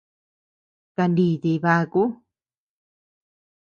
Kaníti baku.